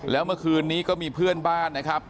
แล้วเมื่อคืนนี้ก็มีเพื่อนบ้านนะครับ